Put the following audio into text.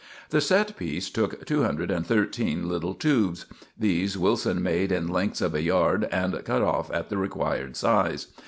The set piece took two hundred and thirteen little tubes. These Wilson made in lengths of a yard and cut off at the required size.